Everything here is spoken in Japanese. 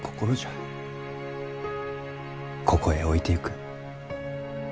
ここへ置いてゆく。